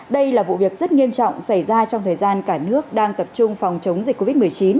đây là vụ việc rất nghiêm trọng xảy ra trong thời gian cả nước đang tập trung phòng chống dịch covid một mươi chín